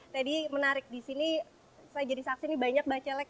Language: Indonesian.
tadi menarik disini saya jadi saksi ini banyak bacalek